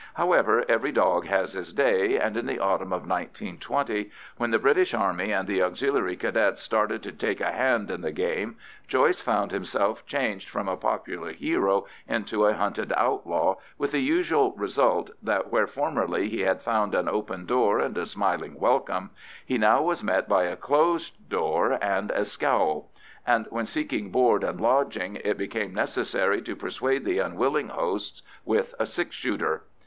However, every dog has his day, and in the autumn of 1920, when the British Army and the Auxiliary Cadets started to take a hand in the game, Joyce found himself changed from a popular hero into a hunted outlaw, with the usual result that, where formerly he had found an open door and a smiling welcome, he now was met by a closed door and a scowl; and when seeking board and lodging, it became necessary to persuade the unwilling hosts with a six shooter.